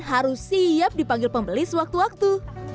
harus siap dipanggil pembeli sewaktu waktu